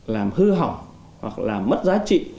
làm hư hỏng hoặc là mất giá trị